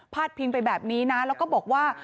พิงไปแบบนี้นะแล้วก็บอกว่า